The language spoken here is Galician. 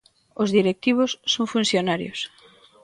Os directivos son funcionarios.